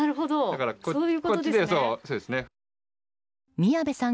宮部さん